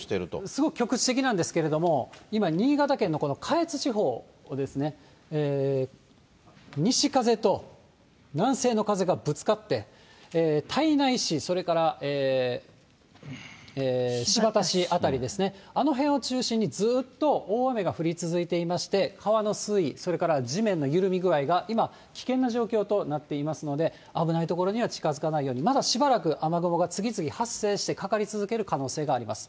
すごく局地的なんですけれども、今新潟県の下越地方ですね、西風と南西の風がぶつかって、たいない市、それからしばた市辺りですね、あの辺を中心にずーっと大雨が降り続いていまして、川の水位、それから地面の緩み具合が今、危険な状況となっていますので、危ない所には近づかないように、まだしばらく雨雲が次々発生して、かかり続ける可能性があります。